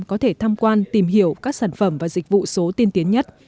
có thể tham quan tìm hiểu các sản phẩm và dịch vụ số tiên tiến nhất